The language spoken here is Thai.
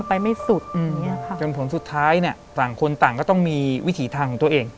ไปไม่สุดอย่างเงี้ยค่ะจนผลสุดท้ายเนี่ยต่างคนต่างก็ต้องมีวิถีทางของตัวเอง